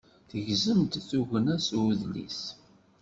Tegzem-d tugna seg udlis.